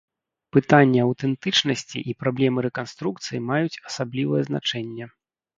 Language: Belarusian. Пытанні аўтэнтычнасці і праблемы рэканструкцыі маюць асаблівае значэнне.